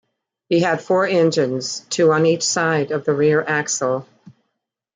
It had four engines, two on each side of the rear axle.